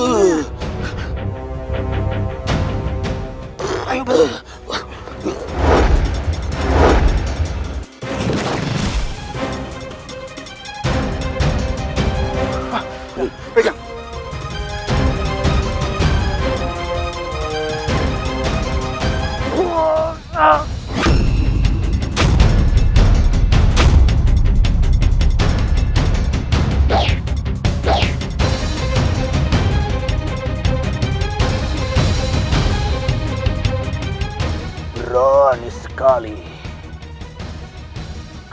dasar berampuk berampuk kampung